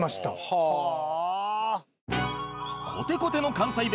はあ。